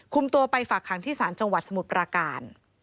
ตัวไปฝากหางที่ศาลจังหวัดสมุทรปราการ